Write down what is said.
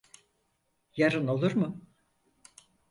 Yarın olur mu?